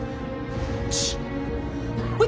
ちっ。